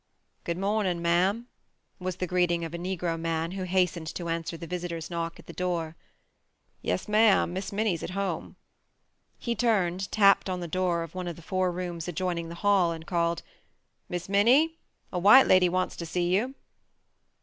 "Good mornin', Mam," was the greeting of a Negro man who hastened to answer the visitor's knock at the door. "Yes Mam, Miss Minnie's at home." He turned, tapped on the door of one of the four rooms adjoining the hall, and called: "Miss Minnie, a white lady wants to see you."